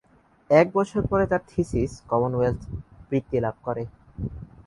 এক বছর পরে তার থিসিস কমনওয়েলথ বৃত্তি লাভ করে।